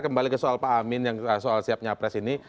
kembali ke soal pak amin yang soal siap nyapres ini